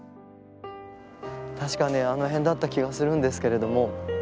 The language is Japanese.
確かねあの辺だった気がするんですけれども。